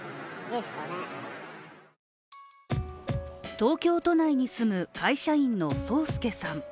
東京都内に住む会社員の聡介さん。